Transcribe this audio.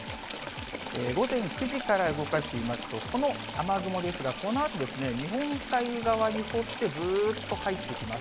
午前９時から動かしてみますと、この雨雲ですが、このあと日本海側に沿って、ずっと入ってきます。